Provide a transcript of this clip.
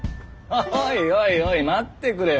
おいおいおい待ってくれよ。